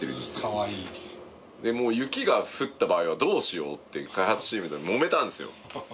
かわいいでも雪が降った場合はどうしようって開発チームでもめたんすよ